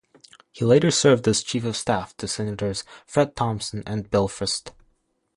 He later served as chief of staff to Senators Fred Thompson and Bill Frist.